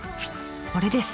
これです。